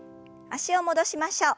脚を戻しましょう。